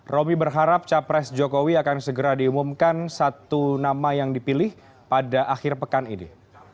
roby berharap capres jokowi akan segera diumumkan satu nama yang dipilih pada akhir pekan ini